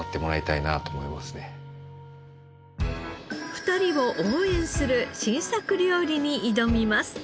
２人を応援する新作料理に挑みます。